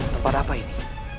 tempat apa ini